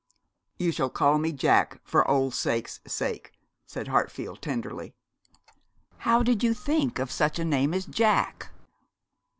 'You shall call me Jack for old sake's sake,' said Hartfield, tenderly. 'How did you think of such a name as Jack?'